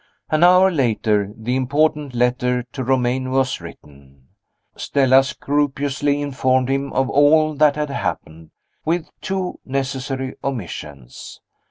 An hour later, the important letter to Romayne was written. Stella scrupulously informed him of all that had happened with two necessary omissions.